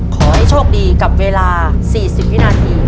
ขอให้โชคดีกับเวลา๔๐วินาที